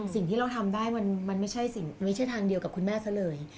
สิ่งที่เราทำได้มันไม่ใช่ทางเดียวกับคุณแม่ซะเลย